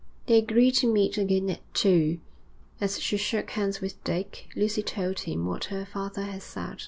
They agreed to meet again at two. As she shook hands with Dick, Lucy told him what her father had said.